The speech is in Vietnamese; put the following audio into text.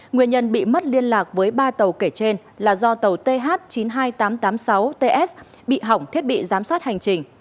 nguyên nhân bị mất liên lạc với ba tàu kể trên là do tàu th chín mươi hai nghìn tám trăm tám mươi sáu ts bị hỏng thiết bị giám sát hành trình